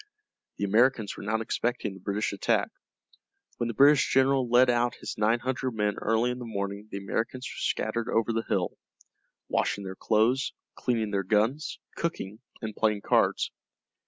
The Americans were not expecting the British attack. When the British general led out his nine hundred men early in the morning the Americans were scattered over the hill, washing their clothes, cleaning their guns, cooking, and playing cards.